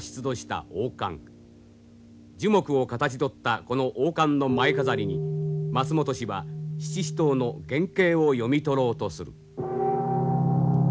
樹木を形どったこの王冠の前飾りに松本氏は七支刀の原型を読み取ろうとする。